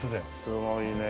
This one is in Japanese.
すごいね。